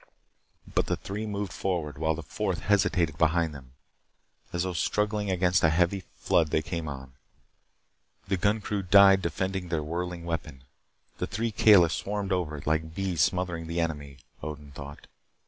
But the three moved forward, while the fourth hesitated behind them. As though struggling against a heavy flood they came on. The gun crew died defending their whirling weapon. The three Kalis swarmed over it like bees smothering the enemy, Odin thought.